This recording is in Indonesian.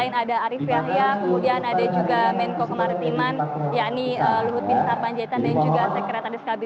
ya ini adalah strategi indonesia yang digunakan untuk memenangkan persaingan industri saat ini